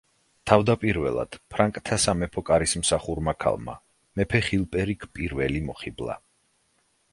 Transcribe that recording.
თავდაპირველად ფრანკთა სამეფო კარის მსახურმა ქალმა, მეფე ხილპერიკ პირველი მოხიბლა.